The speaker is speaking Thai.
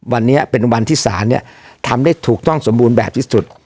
วันนี้เป็นวันที่ศาลเนี่ยทำได้ถูกต้องสมบูรณ์แบบที่สุด